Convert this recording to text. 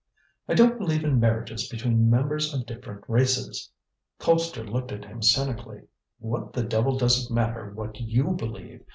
"I don't believe in marriages between members of different races." Colpster looked at him cynically. "What the devil does it matter what you believe!